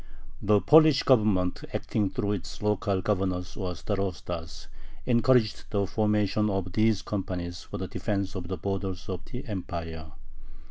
The Polish Government, acting through its local governors or starostas, encouraged the formation of these companies for the defense of the borders of the Empire.